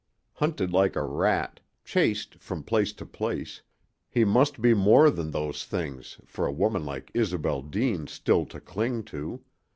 Hunted like a rat, chased from place to place, he must be more than those things for a woman like Isobel Deane still to cling to.